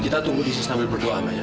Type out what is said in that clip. kita tunggu disitu sambil berdoa